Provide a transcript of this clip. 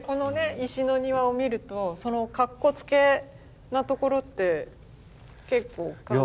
石の庭を見るとかっこつけなところって結構感じます？